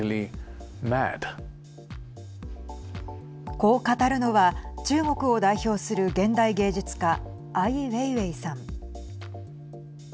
こう語るのは、中国を代表する現代芸術家アイ・ウェイウェイさん。